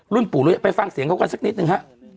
รุ่นปู่นุ้ยไปฟังเสียงเขากันสักนิดหนึ่ง